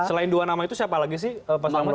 selain dua nama itu siapa lagi sih pak selamat yang muncul